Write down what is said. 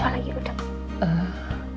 apa lagi udah